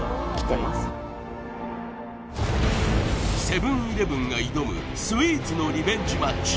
セブン−イレブンが挑むスイーツのリベンジマッチ